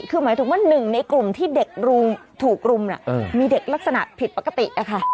คือหมายถึงว่าหนึ่งในกลุ่มที่เด็กถูกรุมมีเด็กลักษณะผิดปกตินะคะ